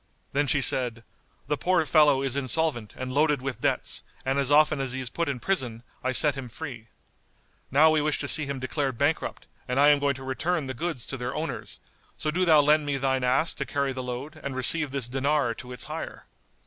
Then she said, "The poor fellow is insolvent and loaded with debts, and as often as he is put in prison, I set him free. Now we wish to see him declared bankrupt and I am going to return the goods to their owners; so do thou lend me thine ass to carry the load and receive this dinar to its hire.